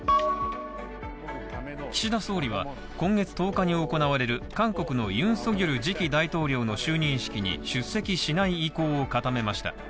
岸田総理は今月１０日に行われる韓国のユン・ソギョル次期大統領の就任式に出席しない意向を固めました。